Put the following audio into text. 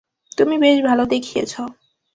তুমি বেশ ভালো দেখিয়েছ।